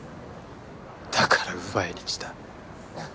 だから奪いに来た。